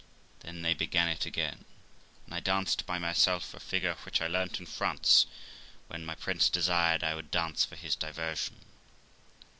Then they began it again, and I danced by myself a figure which I learnt in France, when the Prince de desired I would dance for his diversion.